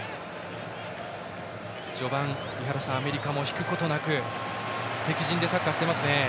序盤、井原さんアメリカも引くことなく敵陣でサッカーをしていますね。